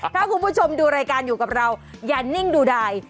ถ้าคุณผู้ชมดูรายการอยู่กับเราอย่านิ่งดูดาย